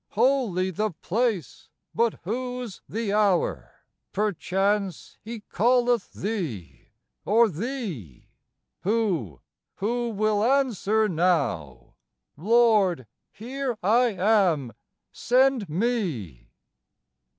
Holy the place; but whose the hour? perchance He calleth thee, Or thee; who, who will answer now, "Lord, here am I; send me?"